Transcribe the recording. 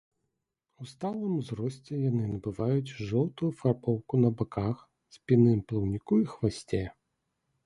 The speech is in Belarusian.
У сталым узросце яны набываюць жоўтую афарбоўку на баках, спінным плаўніку і хвасце.